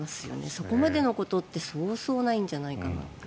そこまでのことってそうそうないんじゃないかなって。